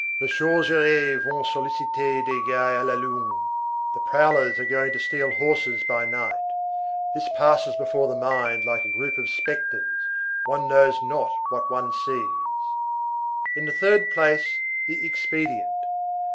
Les sorgueuers vont solliciter des gails à la lune—the prowlers are going to steal horses by night,—this passes before the mind like a group of spectres. One knows not what one sees. In the third place, the expedient.